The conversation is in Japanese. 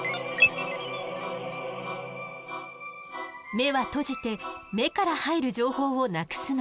目は閉じて目から入る情報をなくすの。